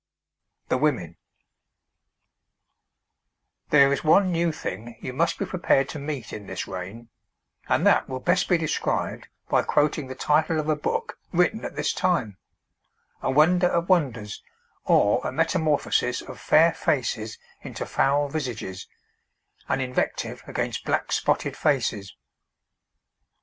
THE WOMEN There is one new thing you must be prepared to meet in this reign, and that will best be described by quoting the title of a book written at this time: 'A Wonder of Wonders, or a Metamorphosis of Fair Faces into Foul Visages; an invective against black spotted faces.'